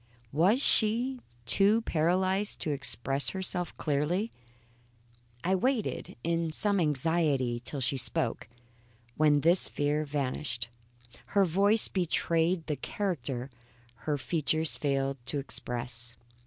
Was she too paralysed to express herself clearly? I waited in some anxiety till she spoke, when this fear vanished. Her voice betrayed the character her features failed to express.